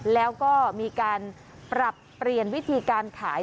แล้วก็มีการปรับเปลี่ยนวิธีการขาย